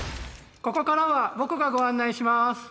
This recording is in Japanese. ここからは僕がご案内します！